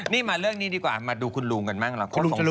นี่มาเรื่องนี้ดีกว่ามาดูคุณลุงกันบ้างล่ะ